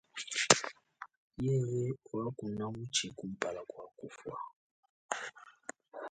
Yeye wakuna mutshi kumpala kua kufua.